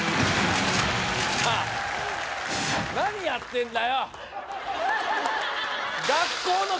何やってんだよ